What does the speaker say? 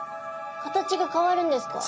形が変わるんですか？